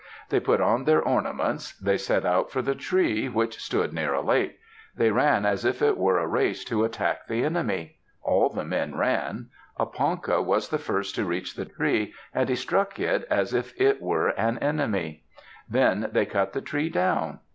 They put on their ornaments. They set out for the tree, which stood near a lake. They ran as if it were a race to attack the enemy. All the men ran. A Ponca was the first to reach the tree and he struck it as if it were an enemy. Then they cut the tree down.